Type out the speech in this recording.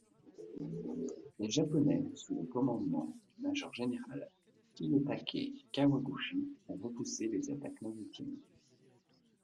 Les Japonais sous le commandement du major-général Kiyotake Kawaguchi ont repoussé les attaques maritimes.